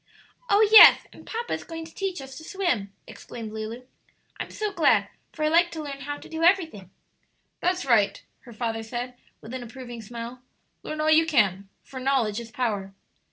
"Oh, yes, and papa is going to teach us to swim!" exclaimed Lulu; "I'm so glad, for I like to learn how to do everything." "That's right," her father said, with an approving smile; "learn all you can, for 'knowledge is power.'"